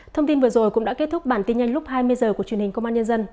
thông tin vừa rồi cũng đã kết thúc bản tin nhanh lúc hai mươi h của truyền hình công an nhân dân